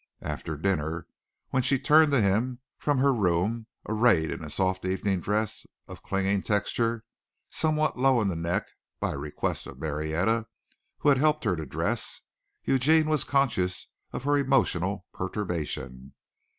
After dinner, when she turned to him from her room, arrayed in a soft evening dress of clinging texture somewhat low in the neck by request of Marietta, who had helped her to dress Eugene was conscious of her emotional perturbation.